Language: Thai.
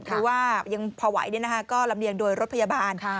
หรือว่ายังพอไหวก็ลำเลียงโดยรถพยาบาล